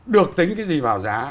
được tính cái gì vào giá